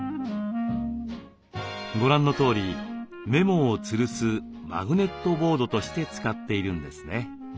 ご覧のとおりメモをつるすマグネットボードとして使っているんですね。